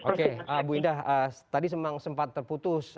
oke bu indah tadi sempat terputus